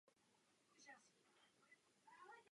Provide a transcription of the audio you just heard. Nestačí soustředit se jen na zlepšení hospodářské situace.